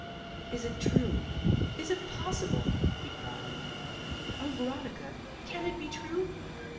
"Is it true, is it possible?" he cried. "Oh Veronica, can it be true?"